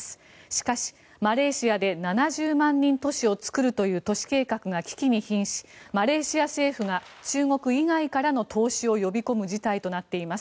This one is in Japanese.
しかし、マレーシアで７０万人都市を作るという都市計画が危機にひんしマレーシア政府が中国以外からの投資を呼び込む事態となっています。